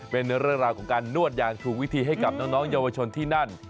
เป็นเรื่องราวของการนวดอย่างถูกวิธีให้กับน้องเยาวชนที่นั่น